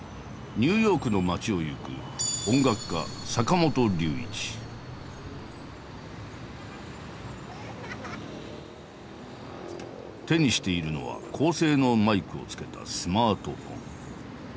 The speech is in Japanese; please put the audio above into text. ニューヨークの街を行く手にしているのは高性能マイクをつけたスマートフォン。